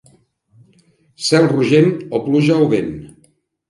Cel rogent, o pluja o vent.